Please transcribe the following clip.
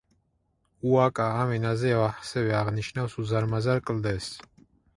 უაკა ამ ენაზე ასევე აღნიშნავს უზარმაზარ კლდეს.